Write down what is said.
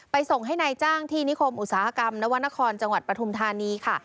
ส่งให้นายจ้างที่นิคมอุตสาหกรรมนวรรณครจังหวัดปฐุมธานีค่ะ